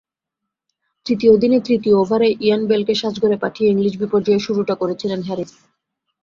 তৃতীয় দিনের তৃতীয় ওভারেই ইয়ান বেলকে সাজঘরে পাঠিয়ে ইংলিশ বিপর্যয়ের শুরুটা করেছিলেন হ্যারিস।